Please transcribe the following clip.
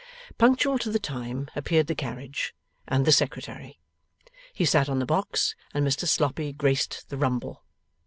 Punctual to the time, appeared the carriage and the Secretary. He sat on the box, and Mr Sloppy graced the rumble.